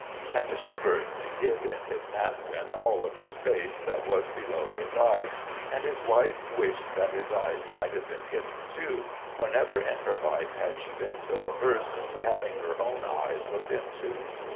And Mr. Burton hid in his napkin all of his face that was below his eyes, and his wife wished that his eyes might have been hidden, too, for never in her life had she been so averse to having her own eyes looked into.